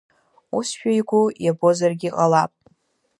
Усшәа игәы иабозаргьы ҟалап.